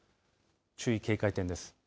注意警戒点です。